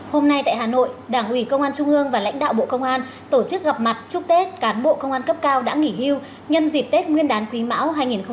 hôm nay tại hà nội đảng ủy công an trung ương và lãnh đạo bộ công an tổ chức gặp mặt chúc tết cán bộ công an cấp cao đã nghỉ hưu nhân dịp tết nguyên đán quý mão hai nghìn hai mươi bốn